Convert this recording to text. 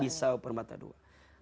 isau bermata dua